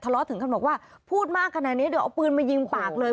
ทะเลาะถึงคำหลอกว่าพูดมากขนาดเนี้ยเดี๋ยวเอาปืนมายิงปากเลย